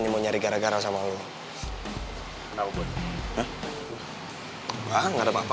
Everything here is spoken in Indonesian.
ehm gausah kok gapapa